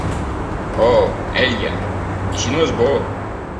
Oh, Ella, i si no és bo!